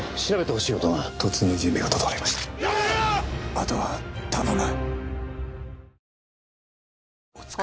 あとは頼む。